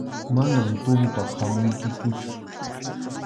Manam tumpaq hamuykikuchu.